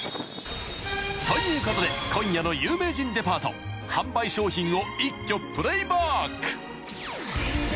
［ということで今夜の『有名人デパート』販売商品を一挙プレーバック］